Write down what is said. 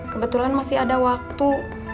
kebetulan masih ada waktu